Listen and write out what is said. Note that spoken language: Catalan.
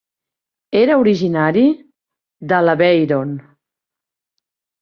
Era originari de l'Aveyron.